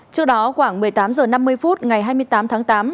trước đó khoảng một mươi tám h năm mươi phút ngày hai mươi tám tháng tám